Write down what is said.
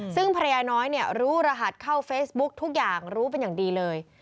ซึ่งภรรยาน้อยเนี่ยรู้รหัสเข้าเฟซบุ๊กทุกอย่างรู้เป็นอย่างดีเลย